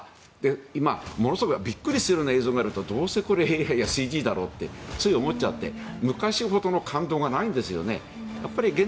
今、ものすごくびっくりするような映像があるとどうせＡＩ、ＣＧだろうってつい思っちゃって昔ほどの感動がないんですよね。